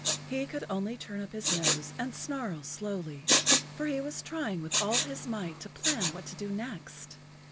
He could only turn up his nose and snarl slowly, for he was trying with all his might to plan what to do next.